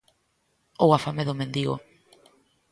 Ou a fame do mendigo.